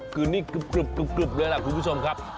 คือนี่กรุบเลยล่ะคุณผู้ชมครับ